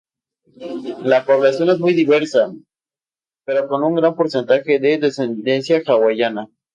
La población es muy diversa, pero con un gran porcentaje de descendencia hawaiana.